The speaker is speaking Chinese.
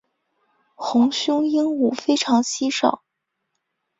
红胸鹦鹉非常稀少。